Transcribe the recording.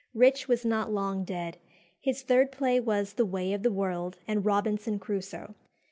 Rich was not long dead. His third play was "The Way of the World" and "Robinson Crusoe."